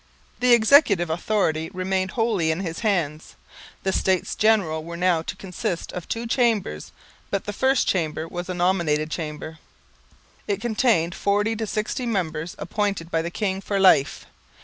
The executive authority remained wholly in his hands. The States General were now to consist of two Chambers, but the First Chamber was a nominated Chamber. It contained forty to sixty members appointed by the king for life.